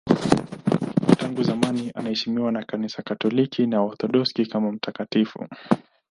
Tangu zamani anaheshimiwa na Kanisa Katoliki na Waorthodoksi kama mtakatifu.